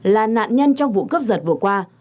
là nạn nhân trong vụ cướp giật vừa qua